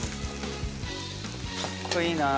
かっこいいなあ。